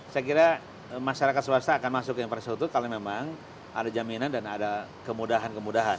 saya kira masyarakat swasta akan masuk ke infrastruktur kalau memang ada jaminan dan ada kemudahan kemudahan